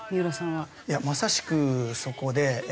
まさしくそこで。